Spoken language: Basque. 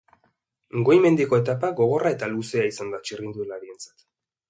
Goi-mendiko etapa gogorra eta luzea izan da txirrindularientzat.